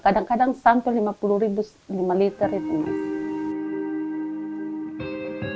kadang kadang sampai lima puluh ribu lima liter itu mas